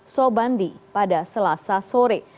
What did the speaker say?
sobandi pada selasa sore